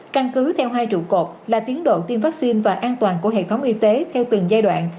căn cứ theo hai trụ cột là tiến độ tiêm vaccine và an toàn của hệ thống y tế theo từng giai đoạn